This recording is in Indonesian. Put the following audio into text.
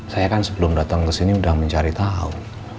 saya kan sebelum datang ke sini sudah mencari tahu